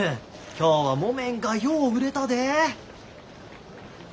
今日は木綿がよう売れたで。